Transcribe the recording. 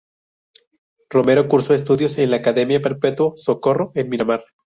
Romero cursó estudios en la Academia Perpetuo Socorro, en Miramar.